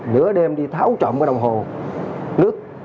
nửa đêm đi tháo trộm cái đồng hồ nước